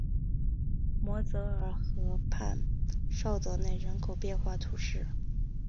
摩泽尔河畔绍德内人口变化图示